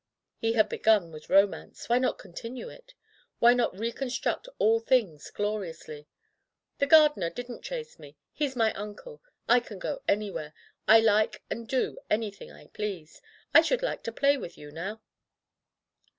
He had begun with romance, why not con tinue it? Why not reconstruct all things gloriously ? "The gardener didn't chase me. He's my uncle. I can go anywhere I like and do any thing I please. I should like to play with you now."